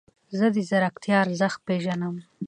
زه د ځیرکتیا ارزښت پیژنم.